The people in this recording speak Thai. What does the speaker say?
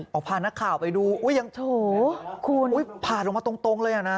พอพานักข่าวไปดูอุ้ยยังโถคุณอุ้ยผ่านออกมาตรงเลยอ่ะนะ